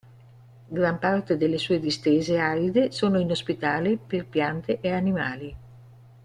Gran parte delle sue distese aride sono inospitali per piante e animali.